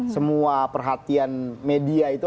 semua perhatian media itu